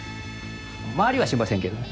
回りはしませんけどね。